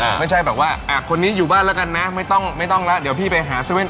ก็ให้เบอร์แรกแรกเบอร์กันเป็นครั้งแรกที่หน้าเซเว่น